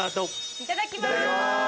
いただきます！